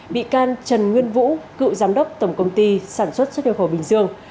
bị can trần nguyên vũ cựu giám đốc tổng công ty sản xuất xuất nhập khẩu bình dương